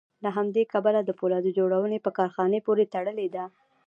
له همدې کبله د پولاد جوړونې په کارخانې پورې تړلې ده